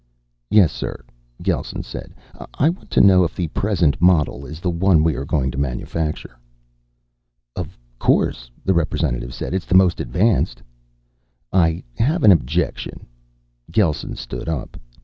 "Yes, sir," Gelsen said. "I want to know if the present model is the one we are going to manufacture." "Of course," the representative said. "It's the most advanced." "I have an objection." Gelsen stood up.